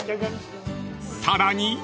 ［さらに］